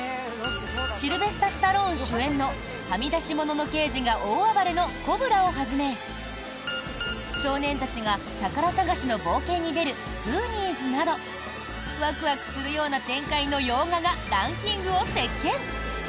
シルベスタ・スタローン主演のはみ出し者の刑事が大暴れの「コブラ」をはじめ少年たちが宝探しの冒険に出る「グーニーズ」などワクワクするような展開の洋画がランキングを席巻。